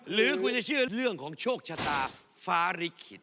หรือคุณจะเชื่อเรื่องของโชคชะตาฟ้าลิขิต